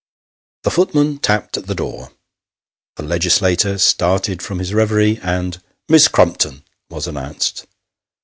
The footman tapped at the door the legislator started from his reverie, and " Miss Crumpton " was announced.